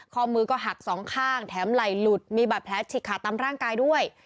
ข้อมือก็หักสองข้างแถมไหล่หลุดมีบาดแผลฉีกขาดตามร่างกายด้วย